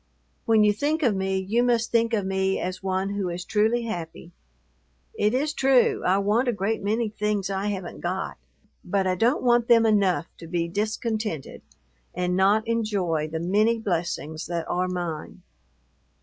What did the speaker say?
When you think of me, you must think of me as one who is truly happy. It is true, I want a great many things I haven't got, but I don't want them enough to be discontented and not enjoy the many blessings that are mine.